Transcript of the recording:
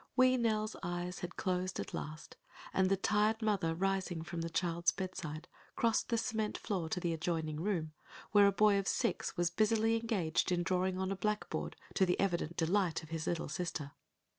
* Wee Nell's eyes had closed at last, and the tired mother rising from the child's bedside crossed the cement floor to the adjoining room, where a boy of six was busily engaged drawing on a blackboard to the evident delight of his little sister.